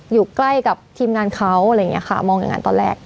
อยู่ใกล้กับทีมงานเขาอะไรอย่างนี้ค่ะมองอย่างนั้นตอนแรก